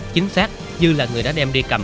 chính xác dư là người đã đem đi cầm